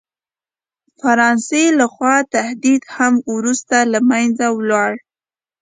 فرانسې له خوا تهدید هم وروسته له منځه ولاړ.